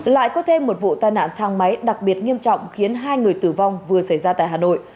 lại có thêm một vụ tai nạn thang máy đặc biệt nghiêm trọng khiến hai người tử vong vừa xảy ra tại hà nội